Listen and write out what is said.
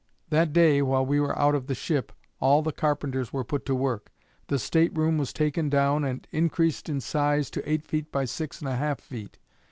That day, while we were out of the ship, all the carpenters were put to work; the state room was taken down and increased in size to eight feet by six and a half feet.